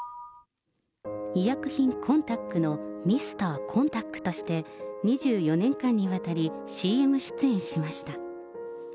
医薬品、コンタックのミスターコンタックとして、２４年間にわたり、ＣＭ出演しました。